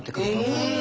うん。